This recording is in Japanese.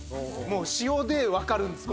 もう塩でわかるんです。